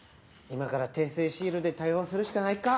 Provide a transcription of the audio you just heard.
今から訂正シールで対応するしかないか。